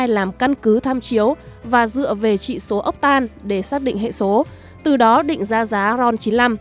làm căn cứ tham chiếu và dựa về trị số ốc tan để xác định hệ số từ đó định ra giá ron chín mươi năm